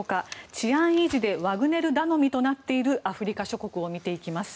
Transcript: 治安維持でワグネル頼みとなっているアフリカ諸国を見ていきます。